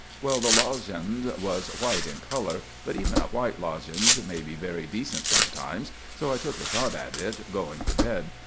Well, the lozenge was white in color, but even a white lozenge may be very decent sometimes, so I took a shot at it going to bed.